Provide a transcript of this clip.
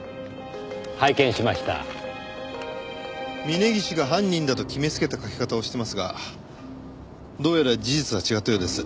峰岸が犯人だと決めつけた書き方をしてますがどうやら事実は違ったようです。